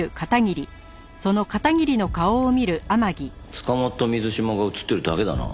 捕まった水島が映ってるだけだな。